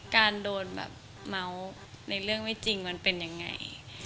การโดนแบบเมาส์ในเรื่องไม่จริงมันเป็นยังไง